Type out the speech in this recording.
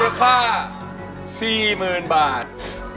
รูปค่า๔๐๐๐๐บาท